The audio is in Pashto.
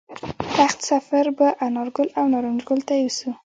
تخت سفر به انارګل او نارنج ګل ته یوسو